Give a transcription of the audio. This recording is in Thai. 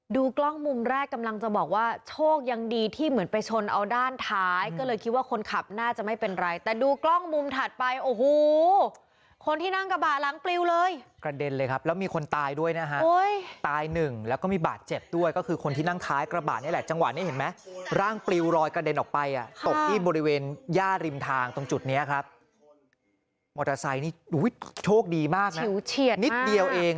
กล้องมุมแรกกำลังจะบอกว่าโชคยังดีที่เหมือนไปชนเอาด้านท้ายก็เลยคิดว่าคนขับน่าจะไม่เป็นไรแต่ดูกล้องมุมถัดไปโอ้โหคนที่นั่งกระบะหลังปลิวเลยกระเด็นเลยครับแล้วมีคนตายด้วยนะฮะตายหนึ่งแล้วก็มีบาดเจ็บด้วยก็คือคนที่นั่งท้ายกระบะนี่แหละจังหวะนี้เห็นไหมร่างปลิวรอยกระเด็นออกไปอ่ะตกที่บริเวณย่าริมทางตรงจุดเนี้ยครับมอเตอร์ไซค์นี่โชคดีมากนะเฉียดนิดเดียวเอง